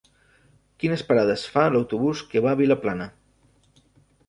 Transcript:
Quines parades fa l'autobús que va a Vilaplana?